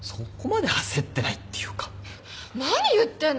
何言ってんの。